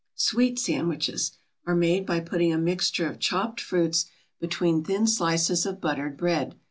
SWEET SANDWICHES are made by putting a mixture of chopped fruits between thin slices of buttered bread.